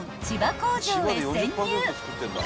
千葉工場へ潜入］